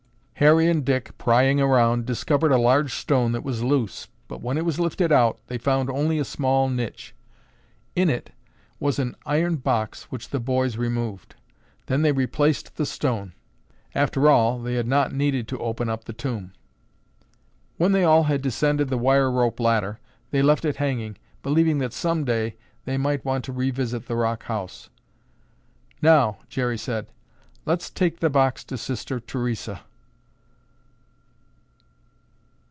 Harry and Dick, prying around, discovered a large stone that was loose, but when it was lifted out, they found only a small niche. In it was an iron box which the boys removed. Then they replaced the stone. After all they had not needed to open up the tomb. When they all had descended the wire rope ladder, they left it hanging, believing that some day they might want to revisit the rock house. "Now," Jerry said, "let's take the box to Sister Theresa."